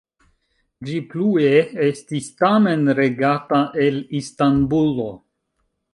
Ĝi plue estis tamen regata el Istanbulo.